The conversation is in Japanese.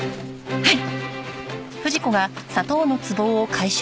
はい！